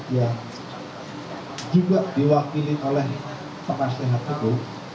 yang juga diwakili oleh pekas tehat itu